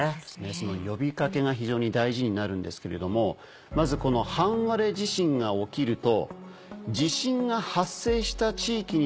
その呼びかけが非常に大事になるんですけれどもまずこの半割れ地震が起きると。